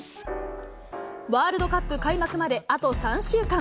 ワールドカップ開幕まであと３週間。